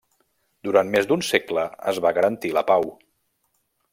Durant més d'un segle es va garantir la pau.